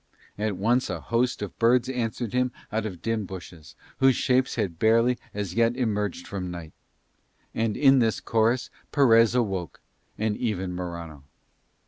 At once a host of birds answered him out of dim bushes, whose shapes had barely as yet emerged from night. And in this chorus Perez awoke, and even Morano.